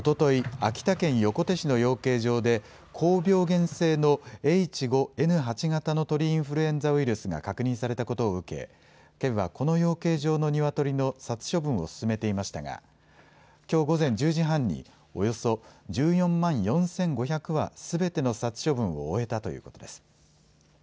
秋田県横手市の養鶏場で高病原性のＨ５Ｎ８型の鳥インフルエンザウイルスが確認されたことを受け、県はこの養鶏場のニワトリの殺処分を進めていましたがきょう午前１０時半におよそ１４万４５００羽すべての殺処分を終えたということです。